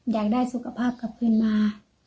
อยากได้สุขภาพกลับคืนมา